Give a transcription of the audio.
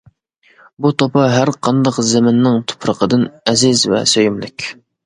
بۇ توپا ھەر قانداق زېمىننىڭ تۇپرىقىدىن ئەزىز ۋە سۆيۈملۈك.